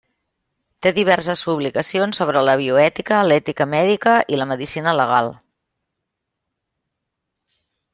Té diverses publicacions sobre la bioètica, l'ètica mèdica i la medicina legal.